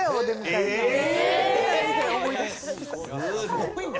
すごいな。